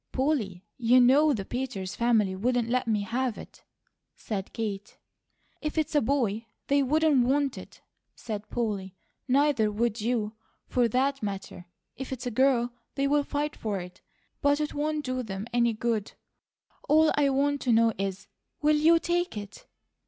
"Polly, you KNOW the Peters family wouldn't let me have it," said Kate. "If it's a boy, they wouldn't WANT it," said Polly. "Neither would you, for that matter. If it's a girl, they'll fight for it; but it won't do them any good. All I want to know is, WILL YOU TAKE IT?"